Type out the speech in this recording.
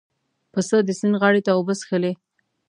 پسه د سیند غاړې ته اوبه څښلې.